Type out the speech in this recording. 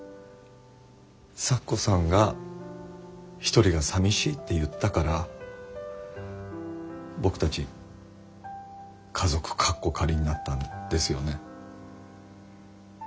咲子さんが一人がさみしいって言ったから僕たち家族カッコ仮になったんですよね？